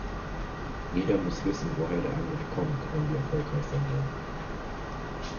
Jeder muss wissen, woher der andere kommt, wenn wir erfolgreich sein wollen.